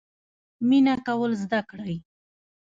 مینه کول زده کړئ